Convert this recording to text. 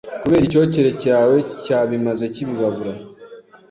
kubera icyocyere cyawe cyabimaze kibibabura.